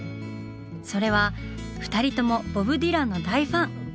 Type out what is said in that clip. それは二人ともボブ・ディランの大ファン！